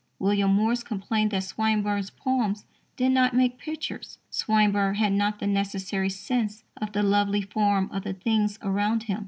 William Morris complained that Swinburne's poems did not make pictures. Swinburne had not the necessary sense of the lovely form of the things around him.